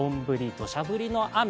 どしゃ降りの雨